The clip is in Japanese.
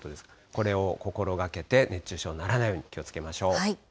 これを心がけて、熱中症にならないように気をつけましょう。